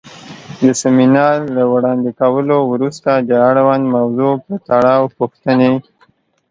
د سمینار له وړاندې کولو وروسته د اړونده موضوع پۀ تړاؤ پوښتنې